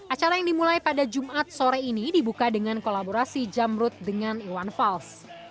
acara yang dimulai pada jumat sore ini dibuka dengan kolaborasi jamrut dengan iwan fals